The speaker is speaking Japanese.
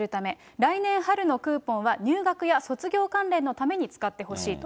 来年春のクーポンは入学や卒業関連のために使ってほしいと。